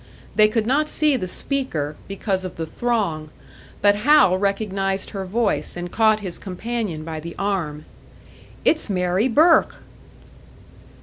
They could not see the speaker, because of the throng, but Hal recognised her voice, and caught his companion by the arm. "It's Mary Burke!"